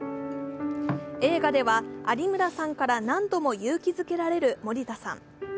映画では有村さんから何度も勇気づけられる森田さん。